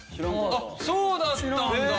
そうだったんだ！